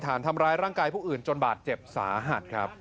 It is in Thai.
ฐานทำร้ายร่างกายผู้อื่นจนบาดเจ็บสาหัสครับ